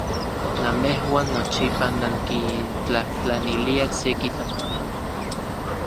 Namejuan nochipa nankintlajtlaniliaj seki tamali.